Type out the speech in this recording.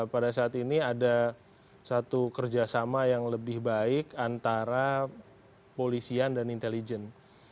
pada saat ini ada satu kerjasama yang lebih baik antara polisian dan intelijen